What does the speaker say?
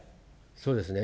そうですね。